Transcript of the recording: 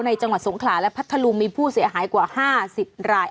จังหวัดสงขลาและพัทธลุงมีผู้เสียหายกว่า๕๐ราย